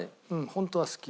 ホントは好き。